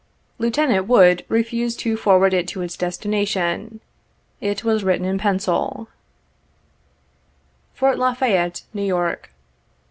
Lieutenant Wood refused to forward it to its destination. It was written in pencil : 27 " Fort La Fayette, New York.